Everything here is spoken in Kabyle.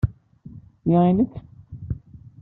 Ti i nekk?